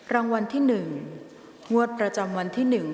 รางวัลที่หนึ่งรวมบรรจำวันที่หนึ่ง